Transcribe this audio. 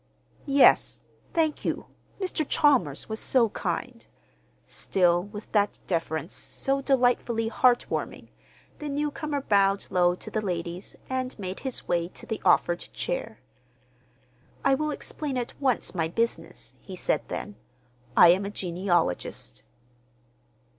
"Yes, thank you. Mr. Chalmers was so kind." Still with that deference so delightfully heart warming, the newcomer bowed low to the ladies, and made his way to the offered chair. "I will explain at once my business," he said then. "I am a genealogist."